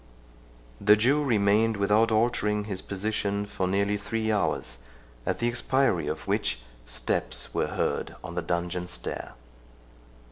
The Jew remained, without altering his position, for nearly three hours, at the expiry of which steps were heard on the dungeon stair.